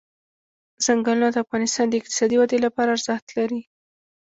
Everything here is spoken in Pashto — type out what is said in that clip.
ځنګلونه د افغانستان د اقتصادي ودې لپاره ارزښت لري.